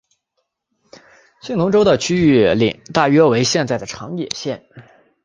信浓国的领域大约为现在的长野县。